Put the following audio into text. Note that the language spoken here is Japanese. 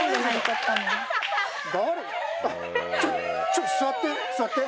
ちょっと座って座って。